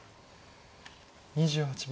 ２８秒。